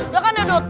ya kan ya dot